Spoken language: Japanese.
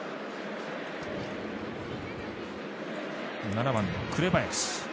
７番の紅林。